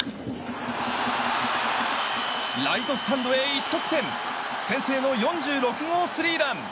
ライトスタンドへ一直線先制の４６号スリーラン！